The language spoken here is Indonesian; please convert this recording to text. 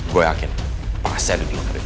gue yakin pasti ada di luar itu